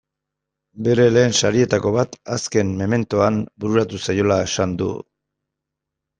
Bere lehen sarietako bat azken mementoan bururatu zaiola esan du.